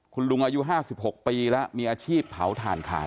คุณลุงอายุห้าสิบหกปีแล้วมีอาชีพเผาถ่านขาย